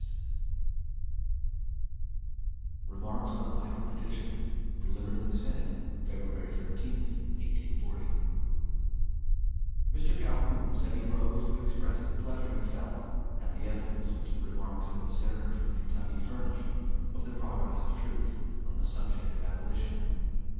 Trent] REMARKS ON THE RIGHT OF PETITION Delivered in the Senate, February 13th, 1840 Mr. Calhoun said he rose to express the pleasure he felt at the evidence which the remarks of the Senator from Kentucky furnished, of the progress of truth on the subject of abolition.